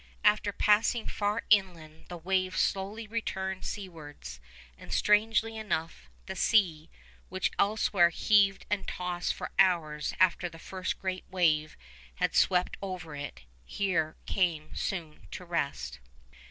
After passing far inland the wave slowly returned seawards, and strangely enough, the sea, which elsewhere heaved and tossed for hours after the first great wave had swept over it, here came soon to rest.